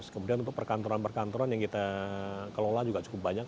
kemudian untuk perkantoran perkantoran yang kita kelola juga cukup banyak